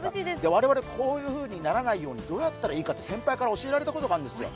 我々、こういうふうにならないようにどうやったらいいか先輩から教えられたことがあるんですよ。